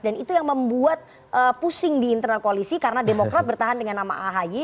dan itu yang membuat pusing di internal koalisi karena demokrat bertahan dengan nama ahi